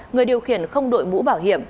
người điều khiển không đội mũ bảo hiểm